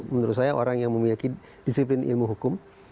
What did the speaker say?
menurut saya orang yang memiliki disiplin ilmu hukum